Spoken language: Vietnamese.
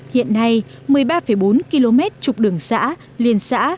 hiện nay một mươi ba bốn km trục đường xã liên xã